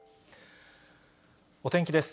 お天気です。